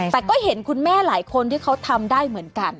แต่ก็เห็นคุณแม่หลายคนที่เขาทำได้เหมือนกัน